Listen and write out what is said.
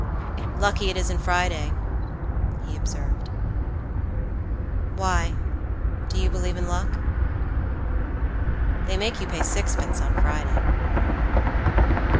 "Lucky it isn't Friday," he observed."Why? D'you believe in luck?""They make you pay sixpence on Friday."